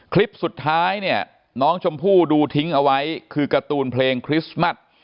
คลิปสุดท้ายเนี่ยน้องชมพู่ดูทิ้งเอาไว้คือการ์ตูนเพลงคริสต์มัส